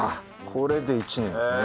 これで１年ですね。